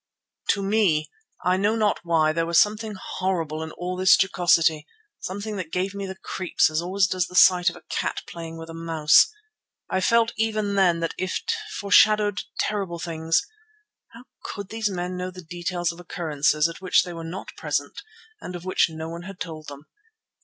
To me, I know not why, there was something horrible in all this jocosity, something that gave me the creeps as always does the sight of a cat playing with a mouse. I felt even then that it foreshadowed terrible things. How could these men know the details of occurrences at which they were not present and of which no one had told them?